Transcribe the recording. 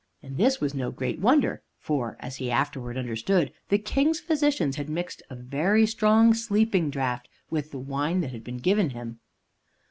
And this was no great wonder, for, as he afterwards understood, the King's physicians had mixed a very strong sleeping draught with the wine that had been given him.